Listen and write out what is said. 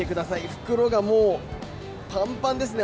袋がもうパンパンですね。